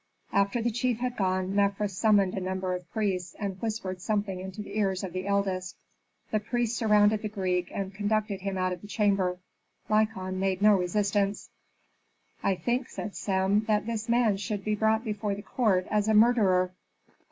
After the chief had gone Mefres summoned a number of priests, and whispered something into the ears of the eldest. The priests surrounded the Greek and conducted him out of the chamber. Lykon made no resistance. "I think," said Sem, "that this man should be brought before the court as a murderer."